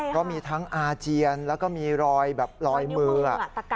ก็มีทั้งอาเจียนแล้วก็มีรอยแบบลอยมือ